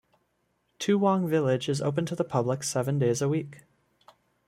Toowong Village is open to the public seven days a week.